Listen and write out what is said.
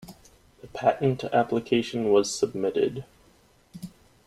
The patent application was submitted.